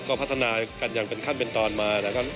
ก็พัฒนากันอย่างเป็นขั้นเป็นตอนมานะครับ